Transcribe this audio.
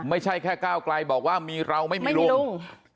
ไม่ใช่แค่ก้าวกลัยบอกว่ามีเราไม่มีลุงไม่มีลุง